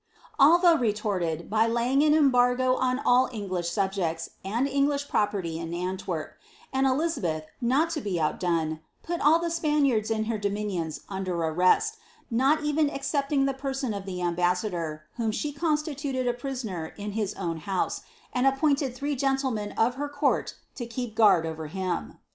^' Alva retorted, by laying an embargo on all English subjects and Eng lish property in Antwerp; and Elizabeth, not to be outdone, put all the Spanianls in her dominions under arrest, not even excepting the person of the ambassador, whom she constituted a prisoner in his own house, and appointed three gentlemen of her court to keep guard over him.